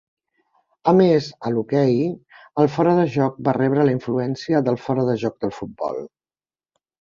A més, a l'hoquei, el fora de joc va rebre la influència del fora de joc del futbol.